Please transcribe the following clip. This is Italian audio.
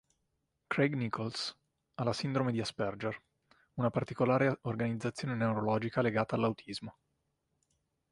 Craig Nicholls ha la Sindrome di Asperger, una particolare organizzazione neurologica legata all'autismo.